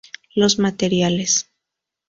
Los materiales.